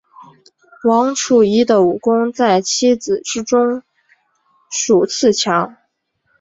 王处一的武功在七子之中数次强。